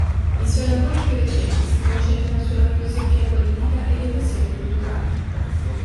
I suoi lavori più recenti si concentrano sulla filosofia politica e le questioni culturali.